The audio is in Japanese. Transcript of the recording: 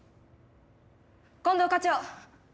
・近藤課長！